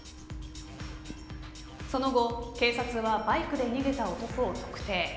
その後、警察はバイクで逃げた男を特定。